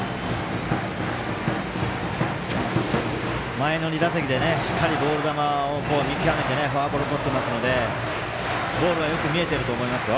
前の２打席でしっかりボール球を見極めてフォアボールとってますのでボールはよく見えてると思います。